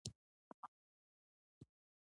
چې هيڅوک ورته پام نۀ کوي